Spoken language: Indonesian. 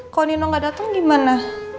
kok nino gak dateng gimana